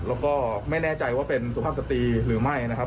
แล้วก็ไม่แน่ใจว่าเป็นสุภาพสตรีหรือไม่นะครับ